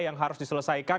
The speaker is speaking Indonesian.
yang harus diselesaikan